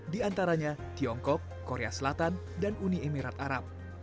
di antaranya tiongkok korea selatan dan uni emirat arab